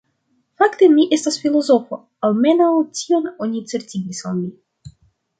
Fakte mi estas filozofo, almenaŭ tion oni certigis al mi.